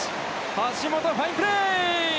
橋本、ファインプレー！